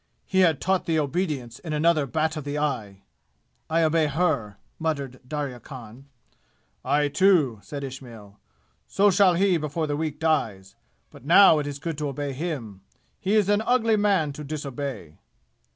He had taught thee obedience in another bat of the eye!" "I obey her!" muttered Darya Khan. "I, too," said Ishmail. "So shall he before the week dies! But now it is good to obey him. He is an ugly man to disobey!"